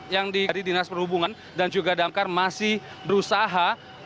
yang di dinas perhubungan dan juga damkar masih berusaha